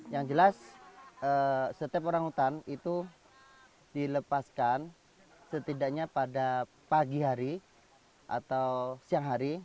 yang jelas setiap orang hutan itu dilepaskan setidaknya pada pagi hari atau siang hari